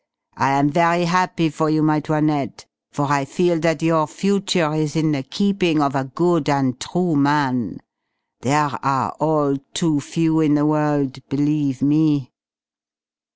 I am very happy for you, my 'Toinette, for I feel that your future is in the keeping of a good and true man. There are all too few in the world, believe me!...